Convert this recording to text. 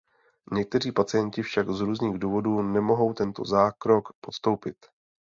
Někteří pacienti však z různých důvodů nemohou tento zákrok podstoupit.